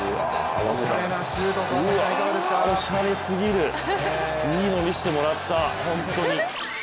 おしゃれすぎる、いいの、見せてもらった、ホントに。